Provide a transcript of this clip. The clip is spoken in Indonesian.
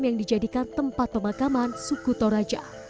yang dijadikan tempat pemakaman suku toraja